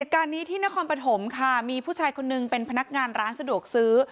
เหตุการณ์นี้ที่นครปฐมค่ะมีผู้ชายคนนึงเป็นพนักงานร้านสะดวกซื้อ